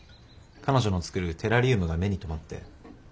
彼女の作るテラリウムが目に留まって。